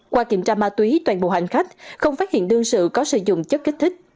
qua kiểm tra ma túy toàn bộ hành khách không phát hiện đương sự có sử dụng chất kích thích